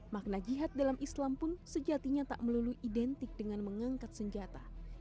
makna jihad dalam islam pun sejatinya tak melulu identik dengan mengangkat senjata